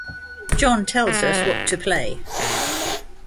John tells us what to play.